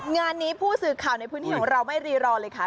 งานนี้ผู้สื่อข่าวในพื้นที่ของเราไม่รีรอเลยค่ะ